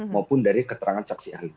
maupun dari keterangan saksi ahli